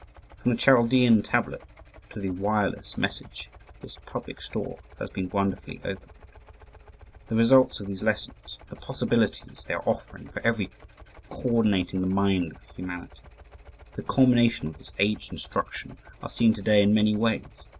From the Chaldean tablet to the wireless message this public store has been wonderfully opened. The results of these lessons, the possibilities they are offering for ever coordinating the mind of humanity, the culmination of this age instruction, are seen today in many ways.